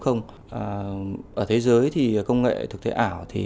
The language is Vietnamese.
ở thế giới thì công nghệ thực tế ảo